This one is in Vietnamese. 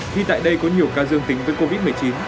khi tại đây có nhiều ca dương tính với covid một mươi chín